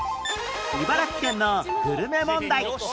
茨城県のグルメ問題